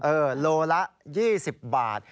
เออลูละ๒๐บาท